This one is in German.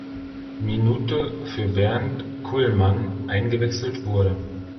Minute für Bernd Cullmann eingewechselt wurde.